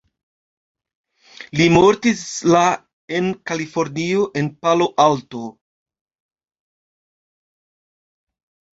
Li mortis la en Kalifornio en Palo Alto.